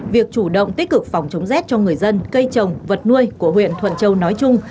việc chủ động tích cực phòng chống rét cho người dân cây trồng vật nuôi của huyện thuận châu nói chung